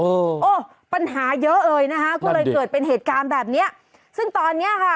โอ้โหโอ้ปัญหาเยอะเลยนะคะก็เลยเกิดเป็นเหตุการณ์แบบเนี้ยซึ่งตอนเนี้ยค่ะ